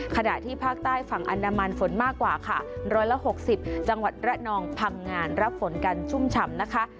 ขณะที่ภาคใต้ฝั่งอันดามันฝนมากกว่าค่ะ๑๖๐จังหวัดระนองพังงานรับฝนกันชุ่มฉ่ำนะคะ